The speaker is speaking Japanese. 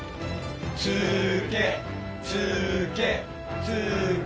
つけ、つけ、つけ。